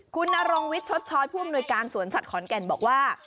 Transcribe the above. คุณนรงวิทย์ชดช้อยผู้อำนวยการสวนสัตว์ขอนแก่นบอกว่า